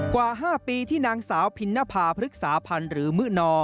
กว่า๕ปีที่นางสาวพินนภาพฤกษาพันธ์หรือมื้อนอ